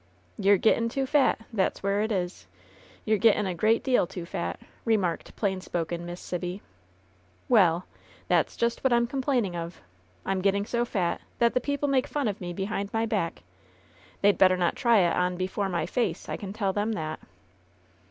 "You^re gettin* too fat, that's where it is. You're gettin' a great deal too fat," remarked plain spoken Miss Sibby. "Well ! That's just what I'm complaining of ! I'm getting so fat that the people make fun of me behind my back ; they'd better not try it on before my face, I can tell them that